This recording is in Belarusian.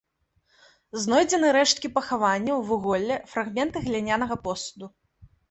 Знойдзены рэшткі пахаванняў, вуголле, фрагменты глінянага посуду.